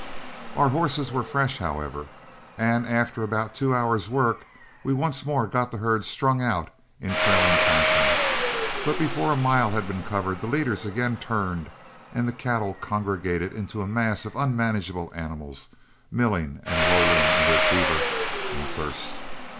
Our horses were fresh, however, and after about two hours' work, we once more got the herd strung out in trailing fashion; but before a mile had been covered, the leaders again turned, and the cattle congregated into a mass of unmanageable animals, milling and lowing in their fever and thirst.